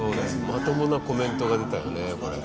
まともなコメントが出たよねこれ。